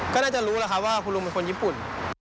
ก็น่าจะรู้แล้วครับว่าคุณลุงเป็นคนญี่ปุ่น